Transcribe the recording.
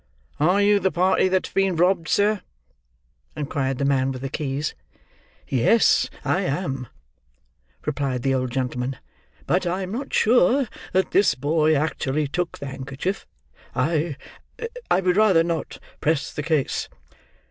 "Are you the party that's been robbed, sir?" inquired the man with the keys. "Yes, I am," replied the old gentleman; "but I am not sure that this boy actually took the handkerchief. I—I would rather not press the case."